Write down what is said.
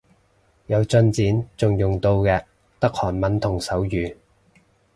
有進展仲用到嘅得韓文同手語